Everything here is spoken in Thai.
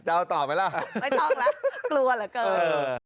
เอาต่อไหมล่ะไม่ต้องแล้วกลัวเหลือเกิน